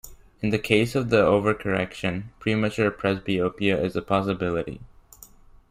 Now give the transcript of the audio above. In the case of the overcorrection, premature presbyopia is a possibility.